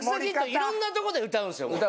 いろんなとこで歌うんですよ。